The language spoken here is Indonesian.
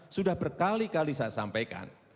sudah berkali kali saya sampaikan